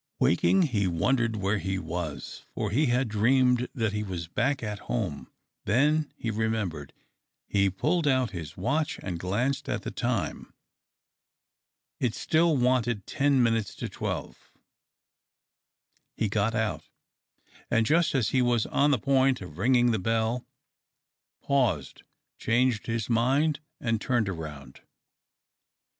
Waking, he wondered where he was, for he had dreamed that he was back at home. Then he remembered. He pulled out his watch and glanced at the time. It still wanted ten minutes to twelve. He got out, and just as he w\as on the point of ringing the bell, paused, changed his mind, and turned round.